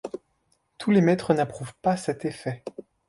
Tous les maîtres n'approuvent pas cet effet.